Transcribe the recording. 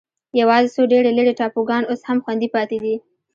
یوازې څو ډېر لرې ټاپوګان اوس هم خوندي پاتې دي.